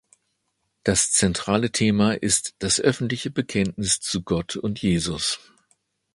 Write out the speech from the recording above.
Das zentrale Thema ist das öffentliche Bekenntnis zu Gott und Jesus.